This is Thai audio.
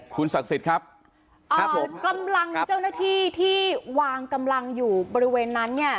คุณศักดิ์สิทธิ์ครับอ่ากำลังเจ้าหน้าที่ที่วางกำลังอยู่บริเวณนั้นเนี่ย